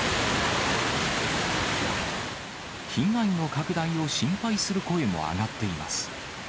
被害の拡大を心配する声も上がっています。